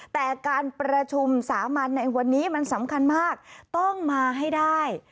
แต่การประชุมสามัญในวันนี้มันสำคัญมากต้องมาให้ได้